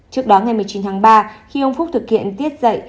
trước đó ngày một mươi chín tháng ba khi ông phúc thực hiện tiết dạy